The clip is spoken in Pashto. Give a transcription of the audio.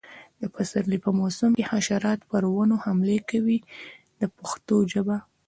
د پسرلي په موسم کې حشرات پر ونو حملې کوي په پښتو ژبه.